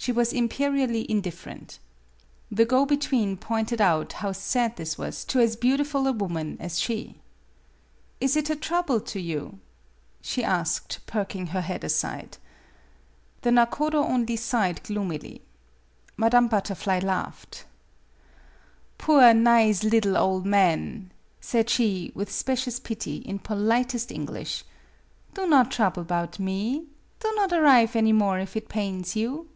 She was imperially indifferent. The go between pointed out how sad this was to as beau tiful a woman as she. " Is it a trouble to you ?" she asked, perking her head aside. The nakodo only sighed gloomily. Madame Butterfly laughed. "Poor, nize liddle ole man," said she, with specious pity, in politest English ;" do not trouble 'bout me. Do not arrive any more if it pains you."